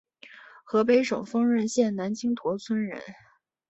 河北省丰润县南青坨村人。